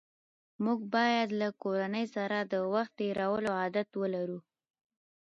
موږ باید له کورنۍ سره د وخت تېرولو عادت ولرو